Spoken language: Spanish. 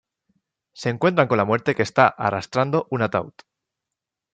Se encuentran con la muerte que está arrastrando un ataúd.